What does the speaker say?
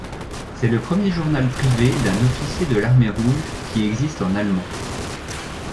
C'est le premier journal privé d'un officier de l'Armée rouge qui existe en allemand.